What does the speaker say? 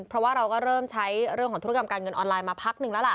เพราะว่าเราก็เริ่มใช้เรื่องของธุรกรรมการเงินออนไลน์มาพักหนึ่งแล้วล่ะ